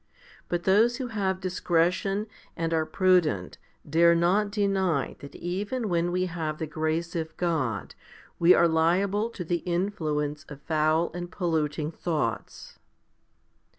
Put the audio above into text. But those who have discretion and are prudent dare not deny that even when we have the grace of God we are liable to the influence of foul and polluting thoughts.